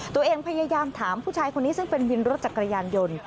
ตัวเองพยายามถามผู้ชายคนนี้ซึ่งเป็นวินรถจักรยานยนต์